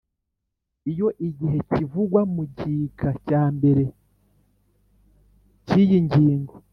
Iyo igihe kivugwa mu gika cyambere cy iyi ngingo